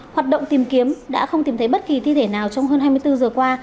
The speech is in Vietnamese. hoạt động tìm kiếm đã không tìm thấy bất kỳ thi thể nào trong hơn hai mươi bốn giờ qua